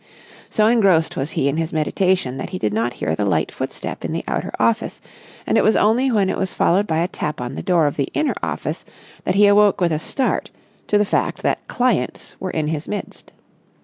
So engrossed was he in his meditation that he did not hear the light footstep in the outer office, and it was only when it was followed by a tap on the door of the inner office that he awoke with a start to the fact that clients were in his midst.